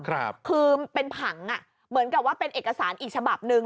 คือเป็นผังอ่ะเหมือนกับว่าเป็นเอกสารอีกฉบับหนึ่ง